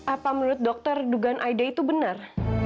apa menurut dokter dugaan aiday itu benar